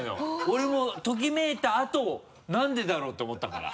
俺もときめいたあと何でだろう？と思ったから。